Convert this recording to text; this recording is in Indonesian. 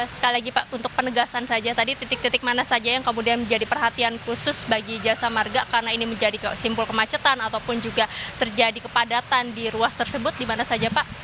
sekali lagi pak untuk penegasan saja tadi titik titik mana saja yang kemudian menjadi perhatian khusus bagi jasa marga karena ini menjadi simbol kemacetan ataupun juga terjadi kepadatan di ruas tersebut di mana saja pak